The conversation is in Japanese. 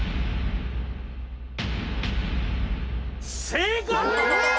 正解！